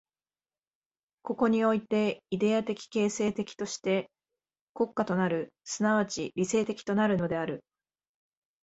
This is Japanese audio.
ここにおいてイデヤ的形成的として国家となる、即ち理性的となるのである。